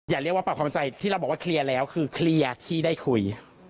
เรียกว่าปรับความเข้าใจที่เราบอกว่าเคลียร์แล้วคือเคลียร์ที่ได้คุย